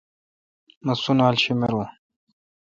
مہ سنالا شیمرون۔